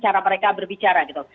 cara mereka berbicara gitu